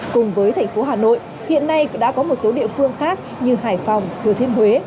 cùng với thành phố hà nội hiện nay đã có một số địa phương khác như hải phòng thừa thiên huế